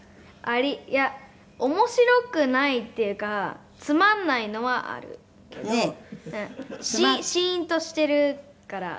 いや面白くないっていうかつまんないのはあるけどシーンとしてるからつまんないっていう。